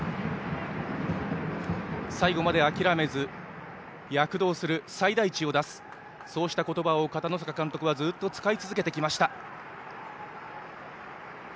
最後まで諦めず躍動する最大値を出すそうした言葉を片野坂監督はずっと使い続けてきました。